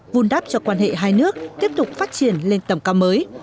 vun đắp cho quan hệ hai nước tiếp tục phát triển lên tầm cao mới